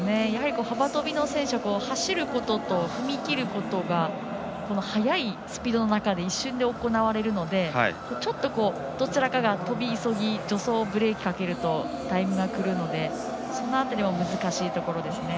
幅跳びの選手は走ることと踏み切ることが速いスピードの中で一瞬で行われるのでちょっと、どちらかが跳び急ぎ助走をブレーキかけるとタイミングが狂うのでその辺りも難しいところですね。